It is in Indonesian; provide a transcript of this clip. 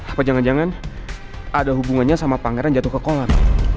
apa jangan jangan ada hubungannya sama pangeran jatuh ke kolam